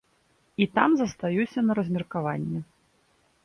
І там застаюся на размеркаванне.